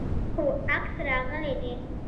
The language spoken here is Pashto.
هو، عکس راغلی دی